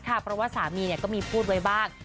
เพราะว่าสามีก็มีพูดไว้บ้าง